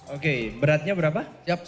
oke beratnya berapa